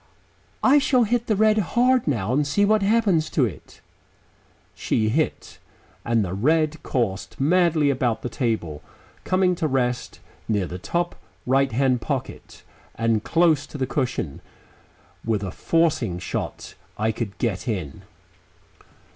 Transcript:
I shall hit the red hard now and see what happens to it." She hit, and the red coursed madly about the table, coming to rest near the top right hand pocket and close to the cushion. With a forcing shot I could get in.